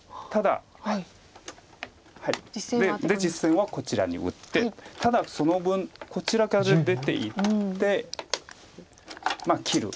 実戦はこちらに打ってただその分こちらから出ていってまあ切る。